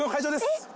えっ？